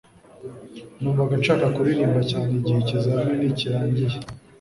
numvaga nshaka kuririmba cyane igihe ikizamini kirangiye